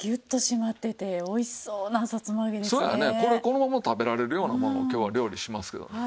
これこのまま食べられるようなものを今日は料理しますけどね。